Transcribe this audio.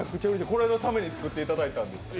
これのために作っていただいたんですか？